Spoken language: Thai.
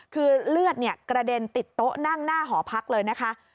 คือเลือดกระเด็นติดโต๊ะนั่งหน้าหอพักเลยนะคะ